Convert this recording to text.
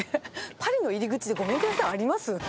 パリの入り口でごめんくださいあります？